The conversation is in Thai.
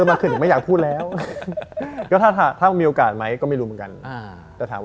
มากก็ไม่แน่นะ